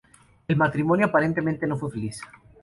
El matrimonio aparentemente no fue feliz.